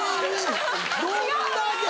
どんだけ。